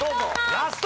ラスト！